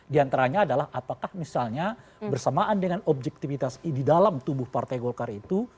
di antaranya adalah apakah misalnya bersamaan dengan objektivitas di dalam tubuh partai golkar itu